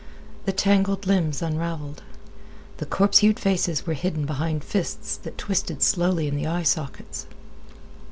The tangled limbs unraveled. The corpse hued faces were hidden behind fists that twisted slowly in the eye sockets.